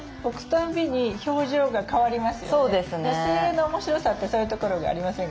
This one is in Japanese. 寄せ植えの面白さってそういうところがありませんか？